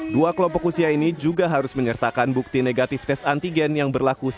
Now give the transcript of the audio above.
dua kelompok usia ini juga harus menyertakan bukti negatif tes antigen yang berlaku satu x dua puluh empat jam